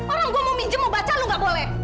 orang gua mau pinjem mau baca lu gak boleh